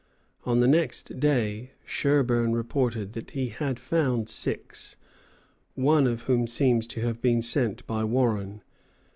On the next day Sherburn reported that he had found six, one of whom seems to have been sent by Warren.